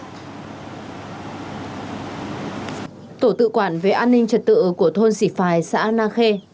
tổ tự quản về an ninh trật tự của thôn sỉ phài xã an nga khê